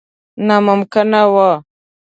ناممکنه وه.